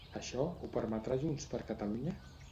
Això ho permetrà JxCat?